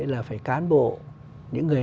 là phải cán bộ những người